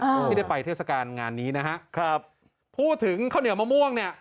ที่ได้ไปเทศกาลงานนี้นะฮะครับพูดถึงข้าวเหนียวมะม่วงเนี่ย